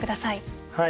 はい。